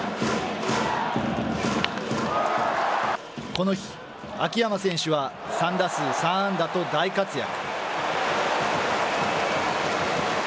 この日、秋山選手は３打数３安打と大活躍。